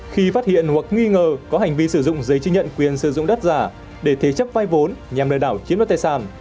khi phát hiện hoặc nghi ngờ có hành vi sử dụng giấy chứng nhận quyền sử dụng đất giả để thế chấp vay vốn nhằm lừa đảo chiếm đất tài sản